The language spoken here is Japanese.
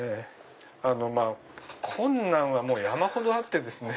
まぁ困難は山ほどあってですね。